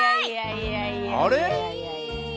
あれ？